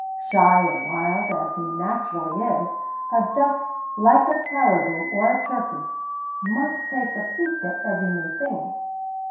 Shy and wild as he naturally is, a duck, like a caribou or a turkey, must take a peek at every new thing.